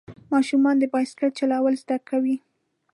ماشومان د بایسکل چلول زده کوي.